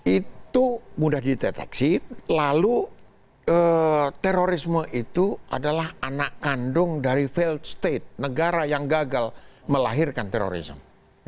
itu mudah dideteksi lalu terorisme itu adalah anak kandung dari faild state negara yang gagal melahirkan terorisme